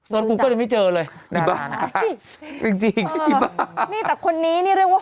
โดนกูเกิดยังไม่เจอเลยดารานะจริงจริงนี่แต่คนนี้นี่เรื่องว่า